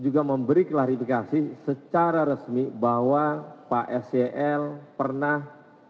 juga memberi klarifikasi secara resmi bahwa pak sel pernah